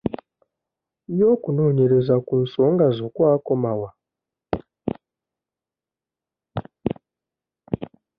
Ye okunoonyerza ku nsonga zo kwakoma wa?